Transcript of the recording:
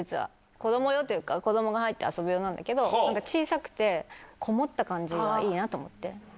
子供用っていうか子供が入って遊ぶ用なんだけど小さくてこもった感じがいいなと思って。